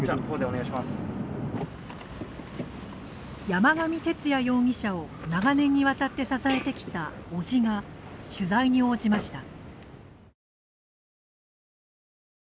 山上徹也容疑者を長年にわたって支えてきたおじが取材に応じました。